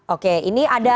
oke ini ada